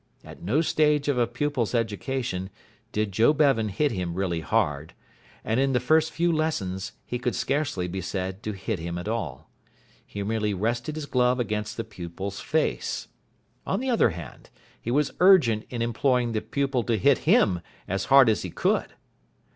At no stage of a pupil's education did Joe Bevan hit him really hard, and in the first few lessons he could scarcely be said to hit him at all. He merely rested his glove against the pupil's face. On the other hand, he was urgent in imploring the pupil to hit him as hard as he could.